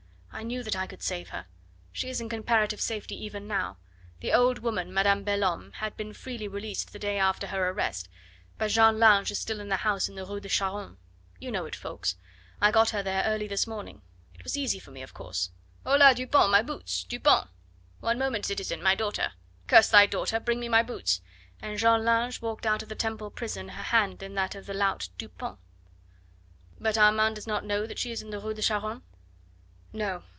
I knew that I could save her. She is in comparative safety even now. The old woman, Madame Belhomme, had been freely released the day after her arrest, but Jeanne Lange is still in the house in the Rue de Charonne. You know it, Ffoulkes. I got her there early this morning. It was easy for me, of course: 'Hola, Dupont! my boots, Dupont!' 'One moment, citizen, my daughter ' 'Curse thy daughter, bring me my boots!' and Jeanne Lange walked out of the Temple prison her hand in that of that lout Dupont." "But Armand does not know that she is in the Rue de Charonne?" "No.